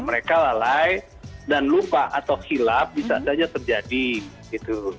mereka lalai dan lupa atau hilap bisa saja terjadi gitu